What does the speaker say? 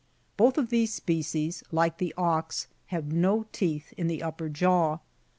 Both of these species, like the ox, have no teeth in the upper jaw.